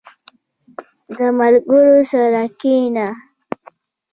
• د ملګرو سره کښېنه.